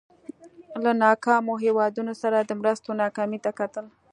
له ناکامو هېوادونو سره د مرستو ناکامۍ ته کتل.